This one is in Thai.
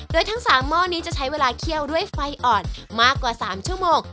โดยทั้ง๓หม้อนี้จะใช้เวลาเคี่ยวด้วยไฟอ่อนมากกว่า๓ชั่วโมง